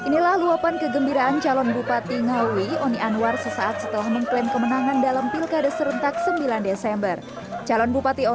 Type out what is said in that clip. tak hanya oni beberapa tim sukses tak luput